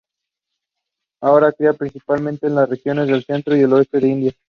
Ahora cría principalmente en las regiones del centro y oeste de la India.